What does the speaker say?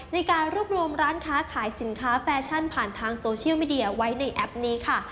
ในการรวบรวมร้านค้าขายสินค้าแฟชั่นผ่านทางโซเชียลมีเดียไว้ในแอปนี้ค่ะ